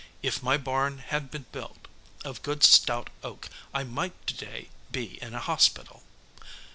If my barn had been built of good stout oak I might to day be in a hospital.